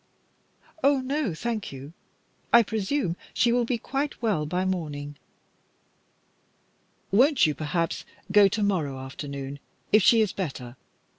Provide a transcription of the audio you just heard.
"Oh no, thank you. I presume she will be quite well by morning." "Won't you, perhaps, go to morrow afternoon, if she is better?